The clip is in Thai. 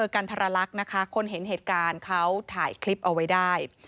กันทรลักษณ์นะคะคนเห็นเหตุการณ์เขาถ่ายคลิปเอาไว้ได้